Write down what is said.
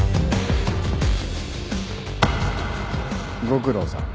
ご苦労さん。